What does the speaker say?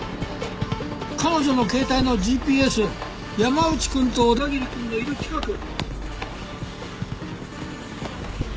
彼女の携帯のＧＰＳ山内君と小田切君のいる近く。